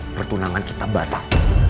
pertunangan kita batak